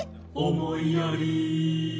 「思いやり」